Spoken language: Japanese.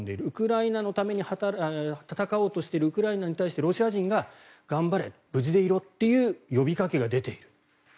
ウクライナのために戦おうとしているウクライナに対してロシア人が頑張れ、無事でいろという呼びかけが出ている。